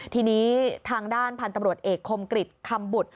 ทีนี้ทางด้านพันธุ์ตำรวจเอกคมกริจคำบุตร